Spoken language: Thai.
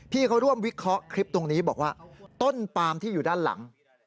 พี่เขาร่วมวิเคราะห์คลิปตรงนี้บอกว่าต้นปามที่อยู่ด้านหลัง